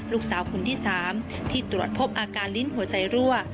ลูกสาวคนที่๓ที่ตรวจพบอาการลิ้นหัวใจรั่ว